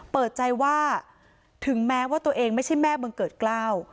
เปิดใจว่าถึงแม้ว่าตัวเองไม่ใช่แม่บังเกิดเกล้า